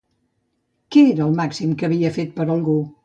Què era el màxim que havia fet per algú?